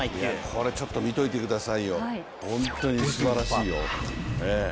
これちょっとみておいてくださいよ、本当にすばらしいよ。